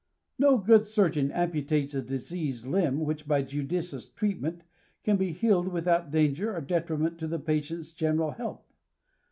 ^ No good surgeon amputates a diseased limb which, by judicious j treatment, can be healed without danger or detriment to the patient^s general health.